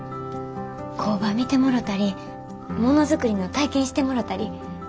工場見てもろたりものづくりの体験してもろたり。